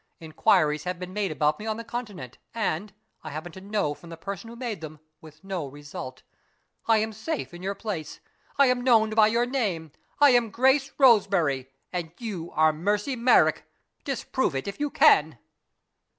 Inquiries have been made about me on the Continent and (I happen to know from the person who made them) with no result. I am safe in your place; I am known by your name. I am Grace Roseberry; and you are Mercy Merrick. Disprove it, if you can!"